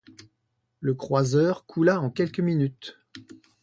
Le croiseur coula en quelques minutes.